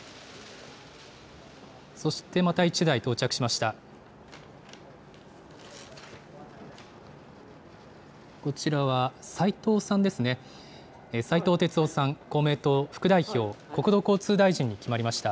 そしてまた１台、到着しました。